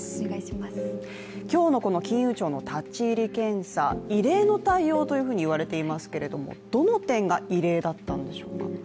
今日の金融庁の立ち入り検査、異例の対応といわれていますけどどの点が異例だったんでしょうか？